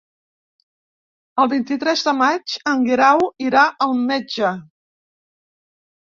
El vint-i-tres de maig en Guerau irà al metge.